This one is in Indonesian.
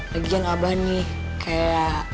lagian abah nih kayak